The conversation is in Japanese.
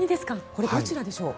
これ、どちらでしょう？